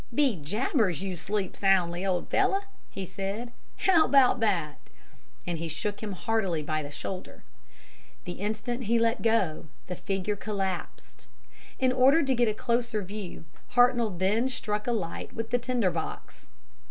"'Be jabbers, you sleep soundly, old fellow!' he said. 'How about that!' and he shook him heartily by the shoulder. The instant he let go the figure collapsed. In order to get a closer view Hartnoll then struck a light with the tinder box.